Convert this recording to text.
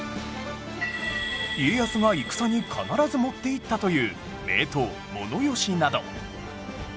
家康が戦に必ず持っていったという名刀物吉など